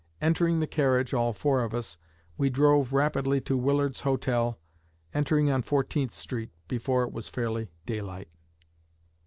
Entering the carriage (all four of us), we drove rapidly to Willard's Hotel, entering on Fourteenth Street, before it was fairly daylight."